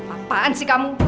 apaan sih kamu